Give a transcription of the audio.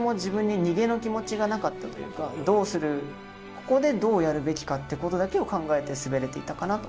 ここでどうやるべきかってことだけを考えて滑れていたかなと思いますね。